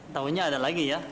tahunya ada lagi ya